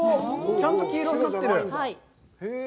ちゃんと金色になってる。